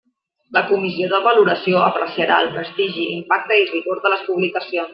La Comissió de Valoració apreciarà el prestigi, impacte i rigor de les publicacions.